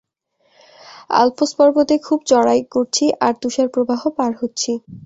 Alps পর্বতে খুব চড়াই করছি আর তুষারপ্রবাহ পার হচ্ছি।